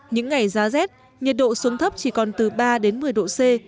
những ngày giá rét nhiệt độ xuống thấp chỉ còn từ ba đến một mươi độ c